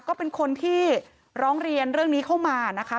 ก็เป็นคนที่ร้องเรียนเรื่องนี้เข้ามานะคะ